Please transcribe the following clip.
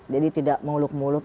jadi tidak muluk muluk